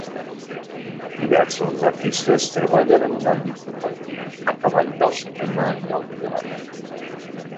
Diversos artistes treballen en un àmbit compartit, a cavall del cinema i el videoart.